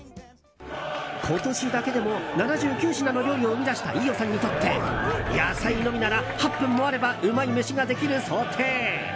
今年だけでも７９品の料理を生み出した飯尾さんにとって野菜のみなら８分もあればうまいめしができる想定。